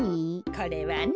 これはね。